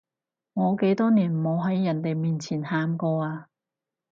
我幾多年冇喺人哋面前喊過啊